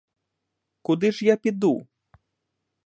Куди ж я піду?